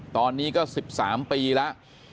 ตอนนี้ก็๑๓ปีแล้ว